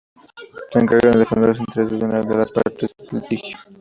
Se encargan de defender los intereses de una de las partes en litigio.